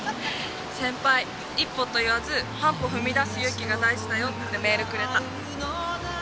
先輩「一歩と言わず半歩踏み出す勇気が大事だよ」ってメールくれた。